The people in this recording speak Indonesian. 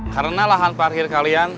karena lahan parhir kalian